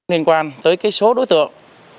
nên quan tới số đối tượng